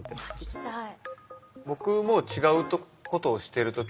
聞きたい。